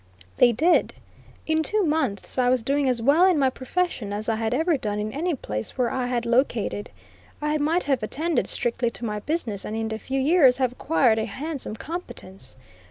They did. In two months I was doing as well in my profession as I had ever done in any place where I had located. I might have attended strictly to my business, and in a few years have acquired a handsome competence.